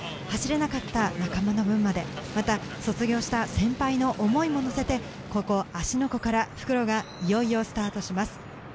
走れなかった仲間の分まで、また卒業した先輩の思いも乗せて、ここ芦ノ湖から復路がいよいよスタートします。